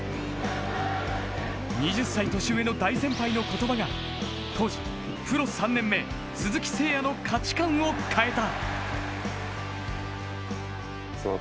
２０歳年上の大先輩の言葉が当時プロ３年目、鈴木誠也の価値観を変えた。